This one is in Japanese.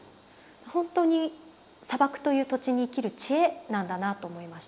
本当に砂漠という土地に生きる知恵なんだなと思いました。